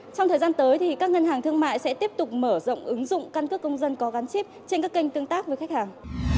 trong thời gian tới các ngân hàng thương mại sẽ tiếp tục mở rộng ứng dụng căn cước công dân có gắn chip trên các kênh tương tác với khách hàng